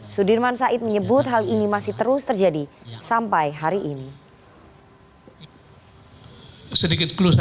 sudirman said menyebut hal ini masih terus terjadi sampai hari ini